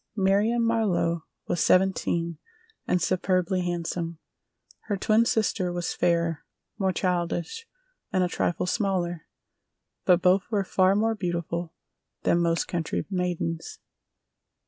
Marion Marlowe was seventeen and superbly handsome. Her twin sister was fairer, more childish and a trifle smaller, but both were far more beautiful than most country maidens.